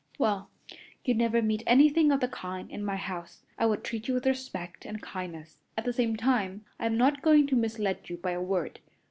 "Well, you'd never meet anything of the kind in my house. I would treat you with respect and kindness. At the same time, I'm not going to mislead you by a word.